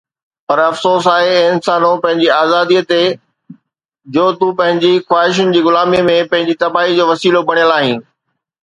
پر افسوس آهي اي انسانو پنهنجي آزاديءَ تي جو تون پنهنجين خواهشن جي غلاميءَ ۾ پنهنجي تباهيءَ جو وسيلو بڻيل آهين.